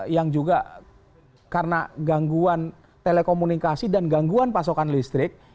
yang juga karena gangguan telekomunikasi dan gangguan pasokan listrik